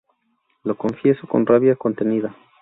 Lo confieso con rabia contenida.